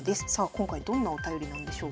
今回どんなお便りなんでしょうか。